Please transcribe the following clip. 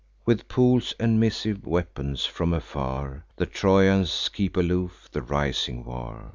With poles and missive weapons, from afar, The Trojans keep aloof the rising war.